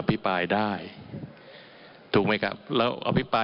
ผมวินิจฉัยแล้วตะกี้นี้ว่าอ่ะ